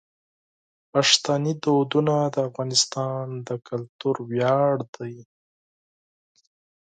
پښتني دودونه د افغانستان د کلتور ویاړ دي.